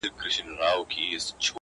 ستا د لپي په رڼو اوبو کي گراني _